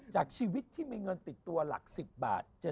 จากชีวิตที่มีเงินติดตัวหลัก๑๐บาท